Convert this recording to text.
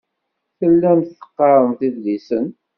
Tellamt teqqaremt idlisen.